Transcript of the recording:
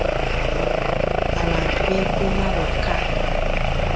Abantu beekuuma bokka.